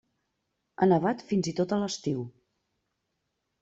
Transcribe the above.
Ha nevat fins i tot a l'estiu.